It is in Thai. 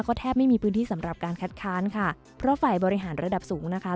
ก็แทบไม่มีพื้นที่สำหรับการคัดค้านค่ะเพราะฝ่ายบริหารระดับสูงนะคะ